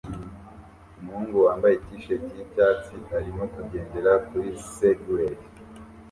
Umuhungu wambaye t-shirt yicyatsi arimo kugendera kuri Segway